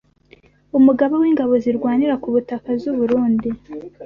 Umugaba w’Ingabo zirwanira ku butaka z’u Burundi